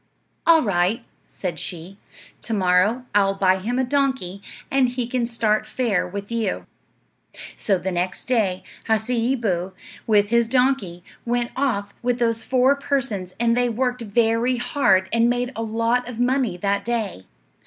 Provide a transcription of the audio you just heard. "All right," said she; "to morrow I'll buy him a donkey, and he can start fair with you." So the next day Hasseeboo, with his donkey, went off with those four persons, and they worked very hard and made a lot of money that day.